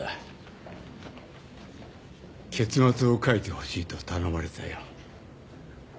結末を書いてほしいと頼まれたよ。